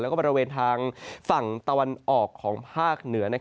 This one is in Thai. แล้วก็บริเวณทางฝั่งตะวันออกของภาคเหนือ